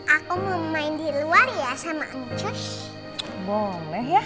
aku mau main di luar ya sama ancus